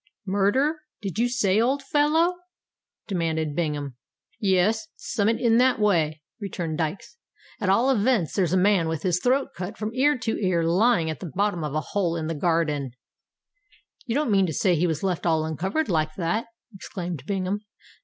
"Murder did you say, old fellow?" demanded Bingham. "Yes—summut in that way," returned Dykes. "At all events there's a man with his throat cut from ear to ear lying at the bottom of a hole in the garden——" "You don't mean to say he was left all uncovered like that?" exclaimed Bingham.